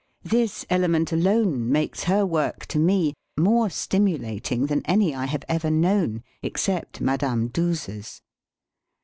This element alone makes her work, tq me, more stimulating than any I have ever known except Madame Duse's.